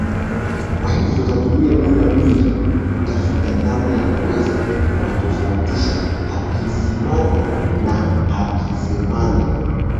kwahiyo utatumia muda mwingi kutafuta namna ya kuweza kuwatofautisha Hakizimana na Hakizemana